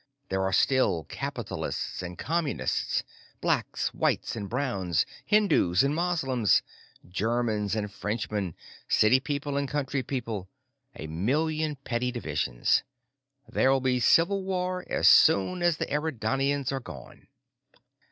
There are still capitalists and communists, blacks, whites and Browns, Hindus and Moslems, Germans and Frenchmen, city people and country people a million petty divisions. There'll be civil war as soon as the Eridanians are gone."